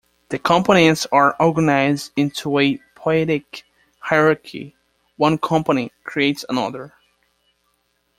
The components are organized into a poietic hierarchy: one component creates another.